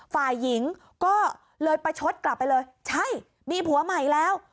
ฝ่ายหญิงก็เลยประชดกลับไปเลยใช่มีผัวใหม่แล้ว